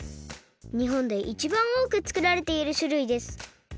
にほんでいちばんおおくつくられているしゅるいです。